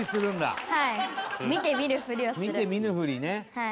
はい。